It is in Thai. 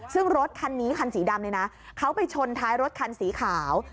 ซึ่งรถคันนี้คันสีดำเนี่ยนะเขาไปชนท้ายรถคันสีขาว